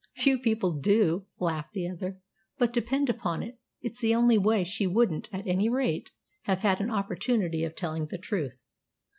"Few people do," laughed the other. "But, depend upon it, it's the only way. She wouldn't, at any rate, have had an opportunity of telling the truth."